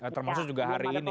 termasuk juga hari ini